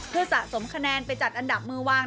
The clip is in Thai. เพื่อสะสมคะแนนไปจัดอันดับมือวาง